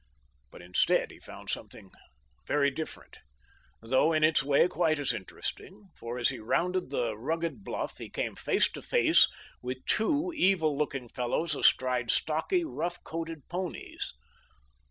But instead he found something very different, though in its way quite as interesting, for as he rounded the rugged bluff he came face to face with two evil looking fellows astride stocky, rough coated ponies.